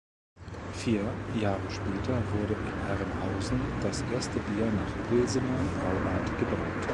Vier Jahre später wurde in Herrenhausen das erste Bier nach Pilsener Brauart gebraut.